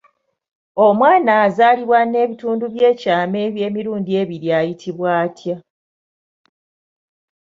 Omwana azaalibwa n'ebitundu by'ekyama eby'emirundi ebiri ayitibwa atya?